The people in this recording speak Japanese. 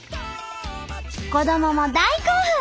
子どもも大興奮！